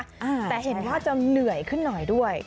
แต่เห็นว่าจะเหนื่อยขึ้นหน่อยด้วย